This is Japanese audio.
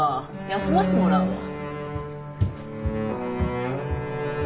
休ませてもらうわ。